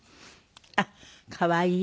あっ可愛い。